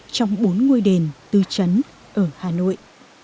trong bốn ngôi đền tư chấn ở hà nội